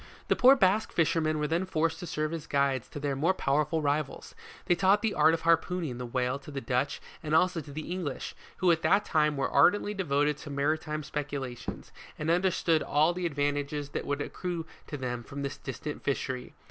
The poor Basque fishermen were then forced to serve as guides to their more powerful rivals ; they taught the art of harpooning the whale to the Dutch and also to the English, who at that time, were ardently devoted to maritime speculations, and understood all the advantages that would accrue to them from this distant fishery.